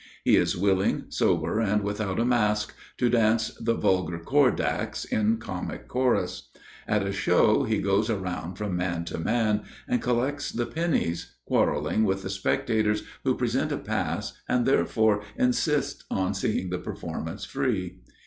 He is willing, sober and without a mask, to dance the vulgar cordax in comic chorus. At a show he goes around from man to man and collects the pennies, quarrelling with the spectators who present a pass and therefore insist on seeing the performance free.